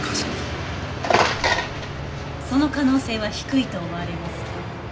その可能性は低いと思われます。